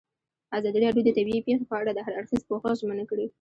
ازادي راډیو د طبیعي پېښې په اړه د هر اړخیز پوښښ ژمنه کړې.